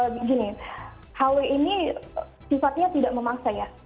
begini hw ini sifatnya tidak memaksa ya